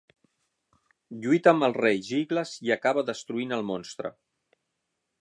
Lluita amb el rei Jyglas i acaba destruint el monstre.